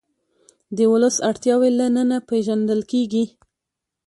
د ولس اړتیاوې له ننه پېژندل کېږي.